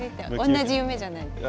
同じ夢じゃないですか。